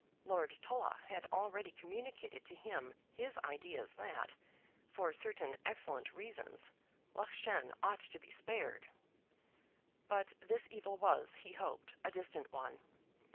Lord Tulla had already communicated to him his ideas that, for certain excellent reasons, Loughshane ought to be spared. But this evil was, he hoped, a distant one.